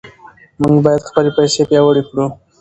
موږ باید خپلې پیسې پیاوړې کړو.